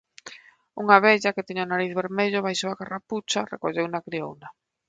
Unha vella, que tiña o nariz vermello baixo a carrapucha, recolleuna e criouna.